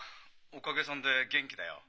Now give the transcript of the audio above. おかげさんで元気だよ。